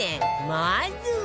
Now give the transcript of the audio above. まずは